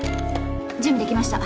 準備できました。